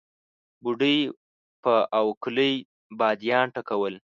بوډۍ په اوکلۍ باديان ټکول.